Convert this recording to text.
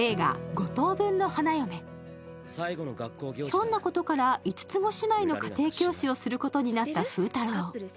ひょんなことから五つ子姉妹の家庭教師をすることになった風太郎。